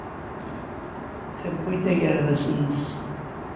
Tewwi-d agerdas-nnes.